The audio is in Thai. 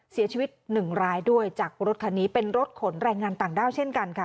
เสียชีวิตหนึ่งรายด้วยจากรถคันนี้เป็นรถขนแรงงานต่างด้าวเช่นกันค่ะ